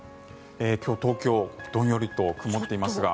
今日、東京はどんよりと曇っていますが。